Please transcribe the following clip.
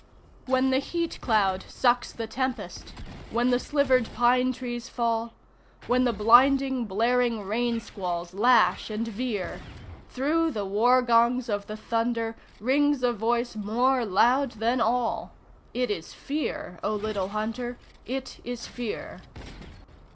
When the heat cloud sucks the tempest, when the slivered pine trees fall, When the blinding, blaring rain squalls lash and veer; Through the war gongs of the thunder rings a voice more loud than all It is Fear, O Little Hunter, it is Fear!